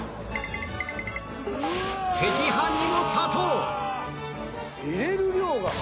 赤飯にも砂糖！